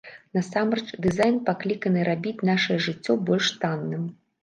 Насамрэч дызайн пакліканы рабіць нашае жыццё больш танным.